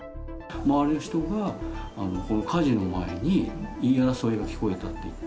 周りの人が、この火事の前に言い争いが聞こえたって言って。